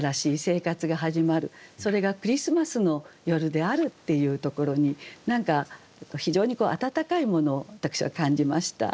それがクリスマスの夜であるっていうところに何か非常に温かいものを私は感じました。